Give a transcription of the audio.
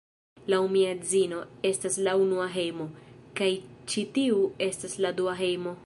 Laŭ mia edzino, estas la unua hejmo, kaj ĉi tiu estas la dua hejmo.